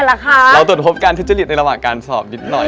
เราตรวจพบการที่จะฤทธิ์ในระหว่างการสอบวิทย์หน่อย